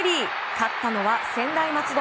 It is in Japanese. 勝ったのは専大松戸。